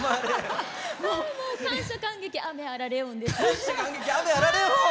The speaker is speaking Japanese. もう感謝感激雨あらレオンです。